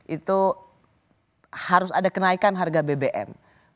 itu harus ada kenaikan harga bbm